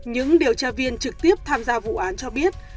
những điều tra viên trực tiếp tham gia vụ án cho biết